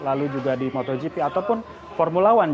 lalu juga di motogp ataupun formula one